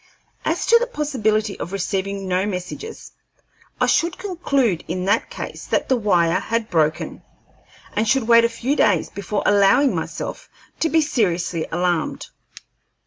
As to the possibility of receiving no messages, I should conclude in that case that the wire had broken, and should wait a few days before allowing myself to be seriously alarmed.